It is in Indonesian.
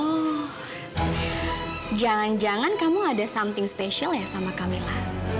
oh jangan jangan kamu ada sesuatu yang istimewa ya sama kamila